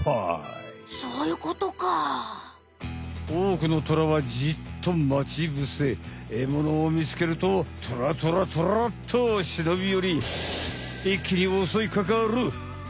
おおくのトラはジッと待ち伏せ獲物を見つけるとトラトラトラッとしのびよりいっきにおそいかかる！